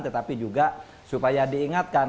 tetapi juga supaya diingatkan